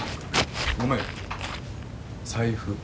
・ごめん財布。